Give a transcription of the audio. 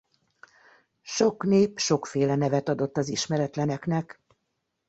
Sok nép sokféle nevet adott az ismeretleneknek.